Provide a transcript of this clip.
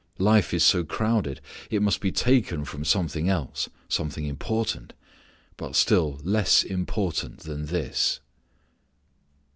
Life is so crowded. It must be taken from something else, something important, but still less important than this.